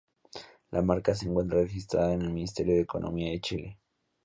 La marca se encuentra registrada en el Ministerio de Economía de Chile.